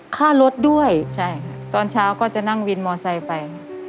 ค่ารถด้วยใช่ค่ะตอนเช้าก็จะนั่งวินมอไซค์ไป